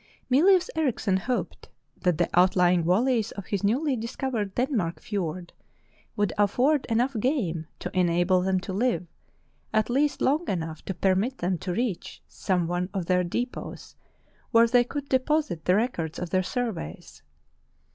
Mylius Erichsen hoped that the outlying valleys of his newly discovered Denmark Fiord would afford enough game to enable them to live, at least long enough to permit them to reach some one of their depots where they could deposit the records of their surveys.